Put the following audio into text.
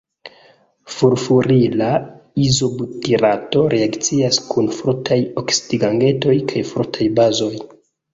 Furfurila izobutirato reakcias kun fortaj oksidigagentoj kaj fortaj bazoj.